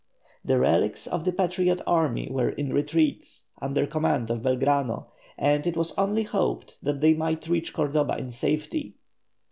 The relics of the Patriot army were in retreat, under command of Belgrano, and it was only hoped that they might reach Cordoba in safety.